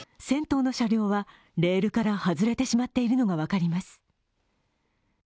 先頭の車両はレールから外れてしまっているのが分かります。